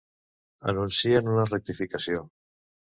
Anuncien una rectificació.